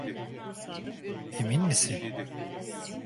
Emin misin?